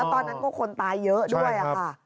ตอนนั้นก็คนตายเยอะด้วยค่ะ